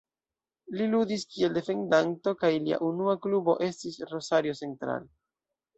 Li ludis kiel defendanto kaj lia unua klubo estis Rosario Central.